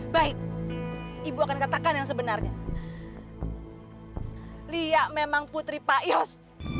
baik ibu akan katakan yang sebenarnya lia memang putri pak yos